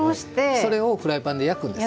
それをフライパンで焼くんです。